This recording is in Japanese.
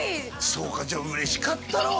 そうかじゃあ嬉しかったろ？